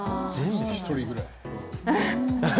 １人ぐらい。